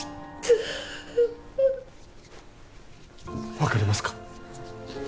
分かりますか？